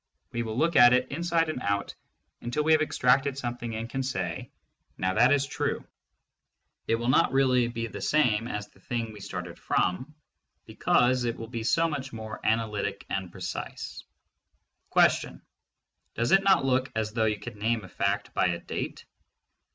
We will look at it inside and out until we have ex tracted something and can say, now that is true. It will not really be the same as the thing we started from because it will be so much more analytic and precise. Does it not look as though you could name a fact by a date?